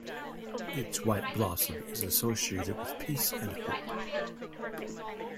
Its white blossom is associated with peace and hope.